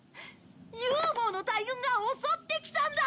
ＵＦＯの大群が襲ってきたんだ！